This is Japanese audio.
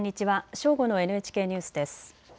正午のＮＨＫニュースです。